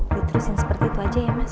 diterusin seperti itu aja ya mas